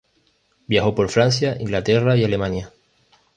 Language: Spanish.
Viajó por Francia, Inglaterra y Alemania.